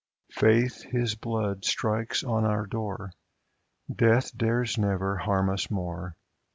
Faith His blood strikes on our door Death dares never harm us more.